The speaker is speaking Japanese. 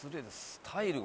スタイル